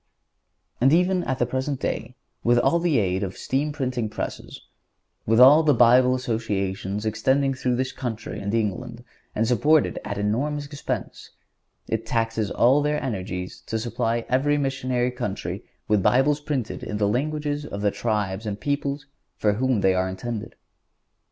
(145) And even at the present day, with all the aid of steam printing presses, with all the Bible Associations extending through this country and England, and supported at enormous expense, it taxes all their energies to supply every missionary country with Bibles printed in the languages of the tribes and peoples for whom they are intended.